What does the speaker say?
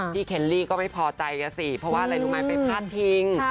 เคลลี่ก็ไม่พอใจกันสิเพราะว่าอะไรรู้ไหมไปพาดพิง